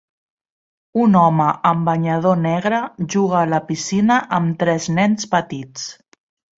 Un home amb banyador negre juga a la piscina amb tres nens petits.